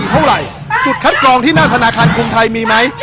เท่าไหร่จุดคัดกรองที่หน้าธนาคารกรุงไทยมีไหม